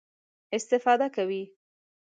استفاده کوي.